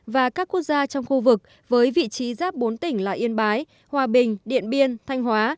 và các quốc gia trong khu vực với vị trí giáp bốn tỉnh là yên bái hòa bình điện biên thanh hóa